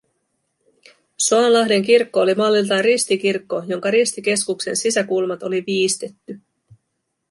Soanlahden kirkko oli malliltaan ristikirkko, jonka ristikeskuksen sisäkulmat oli viistetty